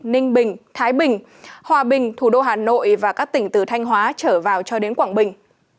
ninh bình thái bình hòa bình thủ đô hà nội và các tỉnh từ thanh hóa trở vào cho đến quảng bình